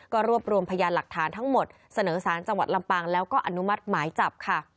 ก็รวบรวมพยานหลักฐานทั้งหมดเสนอสารจังหวัดลำปางแล้วก็อนุมัติหมายจับค่ะ